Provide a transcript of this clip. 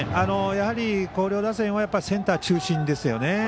やはり、広陵打線はセンター中心ですよね。